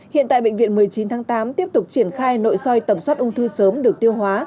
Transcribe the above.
hiện tại bệnh viện một mươi chín tháng tám tiếp tục triển khai nội soi tẩm soát ung thư sớm được tiêu hóa